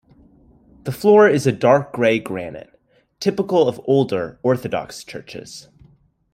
The floor is a dark grey granite, typical of older Orthodox Churches.